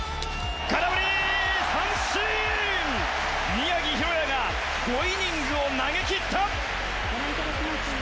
宮城大弥が５イニングを投げきった！